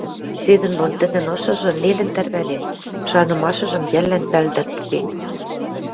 Седӹндон тӹдӹн ышыжы нелӹн тӓрвӓнен, шанымашыжым йӓллӓн пӓлдӹртӹде.